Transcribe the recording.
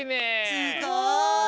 すごい！